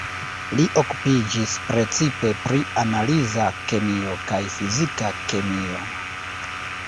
Li okupiĝis precipe pri analiza kemio kaj fizika kemio.